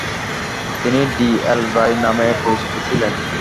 তিনি D. L. Ray নামেও পরিচিত ছিলেন।